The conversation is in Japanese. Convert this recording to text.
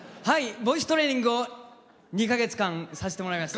ボイストレーニングを２か月間、させてもらいました。